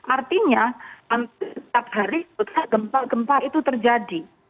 artinya setiap hari gempa gempa itu terjadi